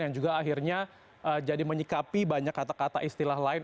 yang juga akhirnya jadi menyikapi banyak kata kata istilah lain